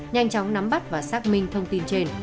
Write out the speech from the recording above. nhanh chóng nắm bắt và xác minh thông tin trên